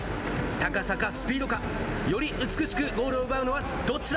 高さかスピードか、より美しくゴールを奪うのはどっちだ。